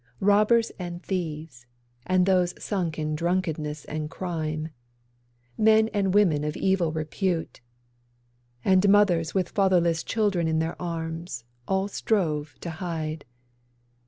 Robbers and thieves, and those sunk in drunkenness and crime, Men and women of evil repute, And mothers with fatherless children in their arms, all strove to hide.